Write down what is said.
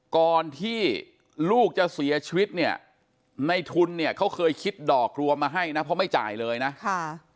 ก่อนที่ลูกจะเสียชีวิตเนี่ยในทุนเนี่ยเขาเคยคิดดอกรวมมาให้นะเพราะไม่จ่ายเลยนะค่ะ